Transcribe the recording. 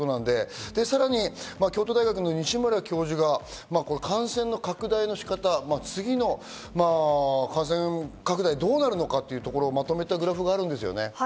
さらに京都大学の西浦教授が感染の拡大の仕方、次の感染拡大どうなるのか、まとめたグラフがあるんですよね。